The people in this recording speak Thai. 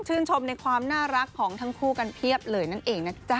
ชมในความน่ารักของทั้งคู่กันเพียบเลยนั่นเองนะจ๊ะ